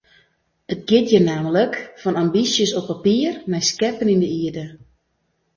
It giet hjir nammentlik fan ambysjes op papier nei skeppen yn de ierde.